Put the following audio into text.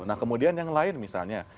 nah kemudian yang lain misalnya